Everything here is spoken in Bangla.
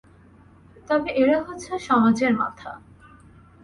তবে এরা হচ্ছে সমাজের মাথা।